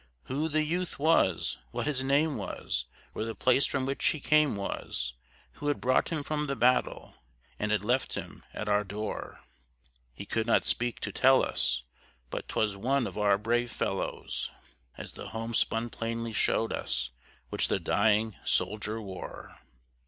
Who the youth was, what his name was, where the place from which he came was, Who had brought him from the battle, and had left him at our door, He could not speak to tell us; but 'twas one of our brave fellows, As the homespun plainly showed us which the dying soldier wore.